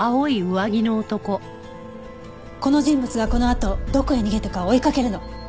この人物がこのあとどこへ逃げたか追いかけるの。